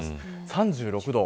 ３６度。